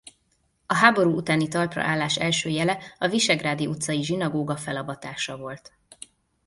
A háború utáni talpra állás első jele a Visegrádi utcai zsinagóga felavatása volt.